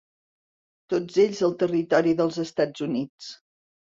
Tots ells al territori dels Estats Units.